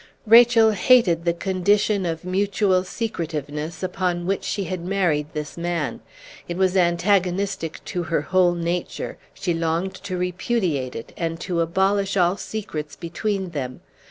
Rachel hated the condition of mutual secretiveness upon which she had married this man; it was antagonistic to her whole nature; she longed to repudiate it, and to abolish all secrets between them.